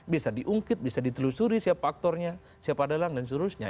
bisa diungkit bisa ditelusuri siapa aktornya siapa dalang dan seterusnya